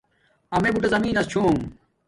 امیے بوٹے زمین نس چھوم